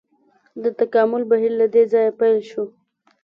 د تکامل بهیر له دې ځایه پیل شو.